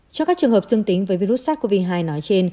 cho các trường hợp dương tính với virus sars cov hai nói trên